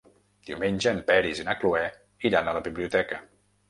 Diumenge en Peris i na Cloè iran a la biblioteca.